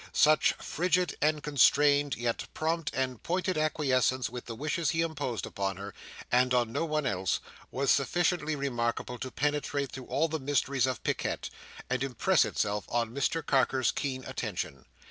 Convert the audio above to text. Such frigid and constrained, yet prompt and pointed acquiescence with the wishes he imposed upon her, and on no one else, was sufficiently remarkable to penetrate through all the mysteries of picquet, and impress itself on Mr Carker's keen attention.